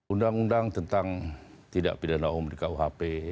undang undang tentang tidak pidana umum di kuhp